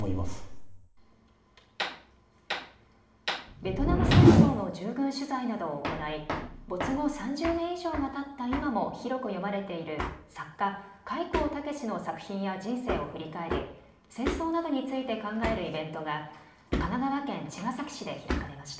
ベトナム戦争の従軍取材などを行い没後３０年以上がたった今も広く読まれている作家、開高健の作品や人生を振り返り戦争などについて考えるイベントが神奈川県茅ヶ崎市で開かれました。